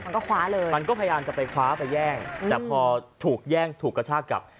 มันก็คว้าเลยมันก็พยายามจะไปคว้าไปแย่งแต่พอถูกแย่งถูกกระชากกลับ